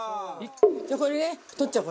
じゃあこれね取っちゃおう